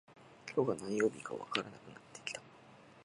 今日が何曜日かわからなくなってきた